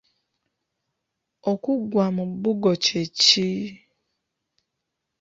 Okugwa mu bbugo kye ki?